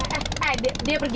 dia pergi dia pergi